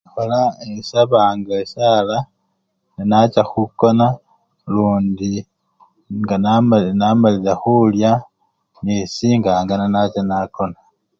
Ekhola! esabanga esala nenacha khukona lundi ngana! nga namalile khulya nisinganga nenacha nakona.